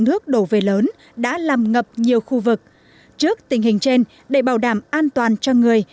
nước đổ về lớn đã làm ngập nhiều khu vực trước tình hình trên để bảo đảm an toàn cho người